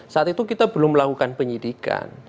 saat itu kita belum melakukan penyidikan